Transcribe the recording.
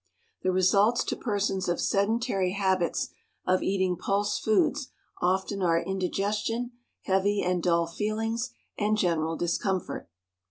The results to persons of sedentary habits of eating pulse foods often are indigestion, heavy and dull feelings, and general discomfort.